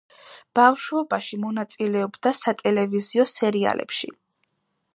ბავშვობაში მონაწილეობდა სატელევიზიო სერიალებში.